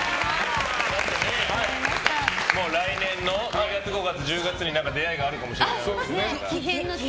来年の２月５月１０月に何か出会いがあるかもしれない。